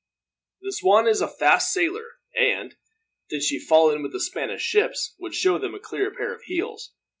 "The Swan is a fast sailer and, did she fall in with the Spanish ships, would show them a clean pair of heels.